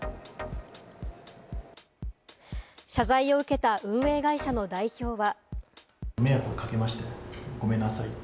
謝罪を受けた運営会社の代表は。